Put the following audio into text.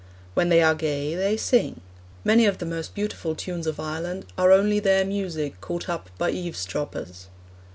"' When they are gay, they sing. Many of the most beautiful tunes of Ireland 'are only their music, caught up by eavesdroppers.'